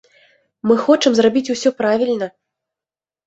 Мы хочам зрабіць усё правільна!